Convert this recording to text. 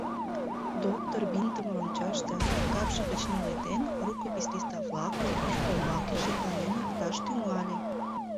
Доктор бинтым рончаш да, капше гыч наледен, рукопись лист-влакым ӱстембаке шекланен опташ тӱҥале.